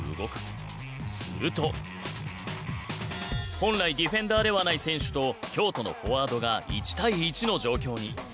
本来ディフェンダーではない選手と京都のフォワードが１対１の状況に。